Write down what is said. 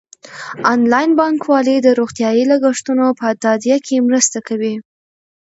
انلاین بانکوالي د روغتیايي لګښتونو په تادیه کې مرسته کوي.